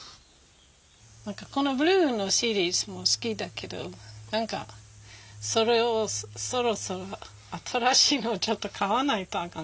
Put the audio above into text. このブルーのシリーズも好きだけど何かそろそろ新しいのちょっと買わないとあかん。